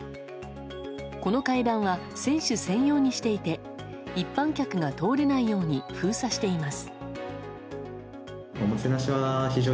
この階段は選手専用にしていて一般客が通れないように封鎖しています。